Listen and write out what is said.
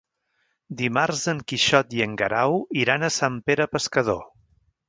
Dimarts en Quixot i en Guerau iran a Sant Pere Pescador.